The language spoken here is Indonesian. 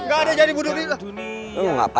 udah lu asal tau dia apa